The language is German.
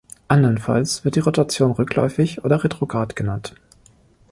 Andernfalls wird die Rotation rückläufig oder "retrograd" genannt.